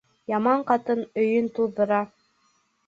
Яман ҡатын өйөн туҙҙыра.